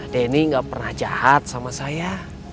denny nggak pernah jahat sama saya